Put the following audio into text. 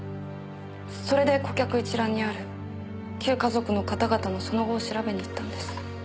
それで顧客一覧にある旧華族の方々のその後を調べに行ったんです。